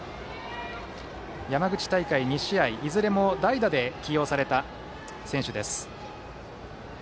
山口大会２試合、いずれも代打で起用された選手です。